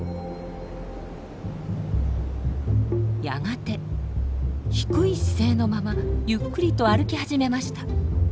やがて低い姿勢のままゆっくりと歩き始めました。